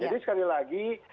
jadi sekali lagi